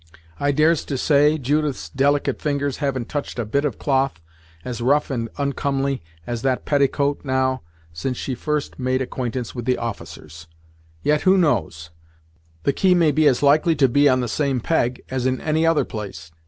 I dares to say, Judith's delicate fingers haven't touched a bit of cloth as rough and oncomely as that petticoat, now, since she first made acquaintance with the officers! Yet, who knows? The key may be as likely to be on the same peg, as in any other place.